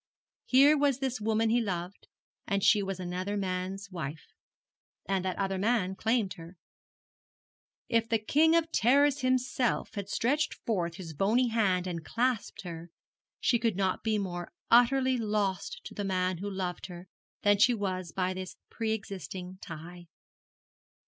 Here was this woman he loved, and she was another man's wife, and that other man claimed her. If the King of Terrors himself had stretched forth his bony hand and clasped her, she could not be more utterly lost to the man who loved her than she was by this pre existing tie.